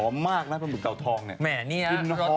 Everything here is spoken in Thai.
หอมมากนะปลาหมึกเต่าทองเนี่ย